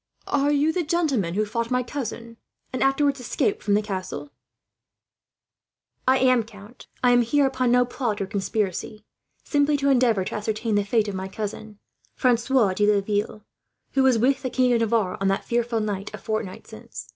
"Are you the gentleman who fought my cousin, and afterwards escaped from the castle?" the count asked, in surprise. "I am, count. I am here upon no plot or conspiracy, but simply to endeavour to ascertain the fate of my cousin, Francois de Laville, who was with the King of Navarre on that fearful night, a fortnight since.